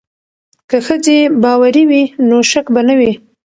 که ښځې باوري وي نو شک به نه وي.